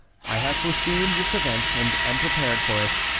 I have foreseen this event, and am prepared for it.